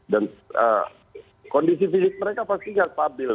dan kondisi fisik mereka pasti tidak stabil